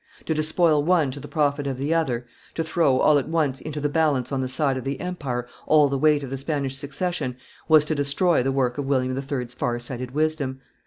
To despoil one to the profit of the other, to throw, all at once, into the balance on the side of the empire all the weight of the Spanish succession, was to destroy the work of William III.'s far sighted wisdom.